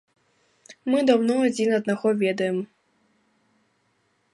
Мы даўно адзін аднаго ведаем.